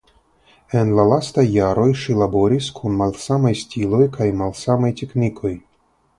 En la lastaj jaroj ŝi laboris kun malsamaj stiloj kaj malsamaj teknikoj.